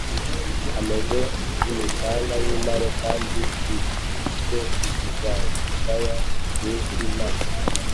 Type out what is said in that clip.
Ameze nk imikaka y intare kandi ri te inzasaya nk iz intare